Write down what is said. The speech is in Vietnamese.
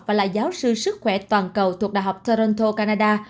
và là giáo sư sức khỏe toàn cầu thuộc đh toronto canada